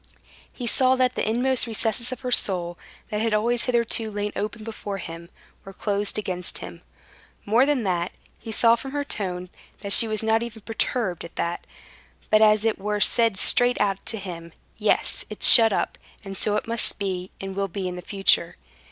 He saw that the inmost recesses of her soul, that had always hitherto lain open before him, were closed against him. More than that, he saw from her tone that she was not even perturbed at that, but as it were said straight out to him: "Yes, it's shut up, and so it must be, and will be in future."